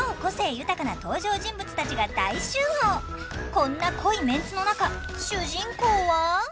こんな濃いメンツの中主人公は。